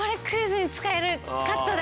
カットだ。